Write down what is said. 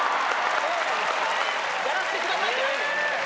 やらせてくださいじゃない。